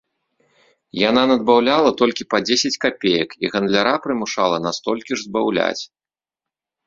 Яна надбаўляла толькі па дзесяць капеек і гандляра прымушала на столькі ж збаўляць.